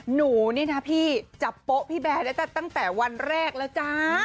หนูนี่นะพี่จับโป๊ะพี่แบร์ได้ตั้งแต่วันแรกแล้วจ้า